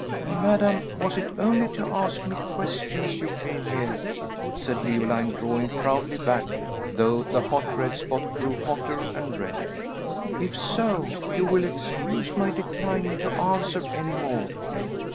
"Madame, was it only to ask me questions you came here?" said Leoline, drawing proudly back, though the hot red spot grew hotter and redder; "if so, you will excuse my declining to answer any more."